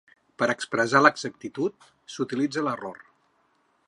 Per expressar l’exactitud, s’utilitza l’error.